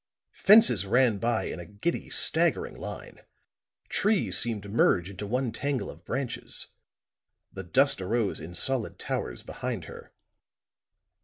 Fences ran by in a giddy staggering line; trees seemed merged into one tangle of branches; the dust arose in solid towers behind her.